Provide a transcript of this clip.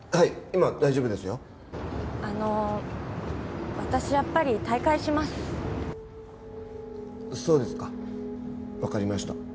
今大丈夫ですよあの私やっぱり退会しますそうですか分かりました